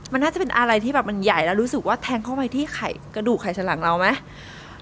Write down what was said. มันน่าจะเป็นอะไรที่แบบมันใหญ่แล้วรู้สึกว่าแทงเข้าไปที่กระดูกไข่สันหลังเราไหม